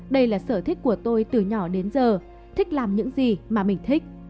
đây là sở thích của tôi từ nhỏ đến giờ thích làm những gì mà mình thích